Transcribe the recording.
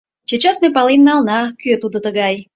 — Чечас мый пален налына, кӧ тудо тыгай...